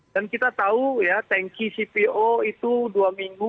dan kita tahu ya tanki cpo itu dua minggu